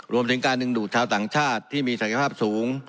รวมถึงการดึงดูดชาวต่างชาติที่มีศักยภาพสูง